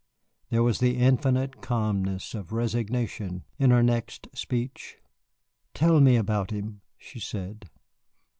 There was the infinite calmness of resignation in her next speech. "Tell me about him," she said.